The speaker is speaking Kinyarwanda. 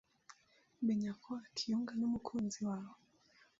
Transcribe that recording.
Menya ko wakiyunga n'umukunzi wawe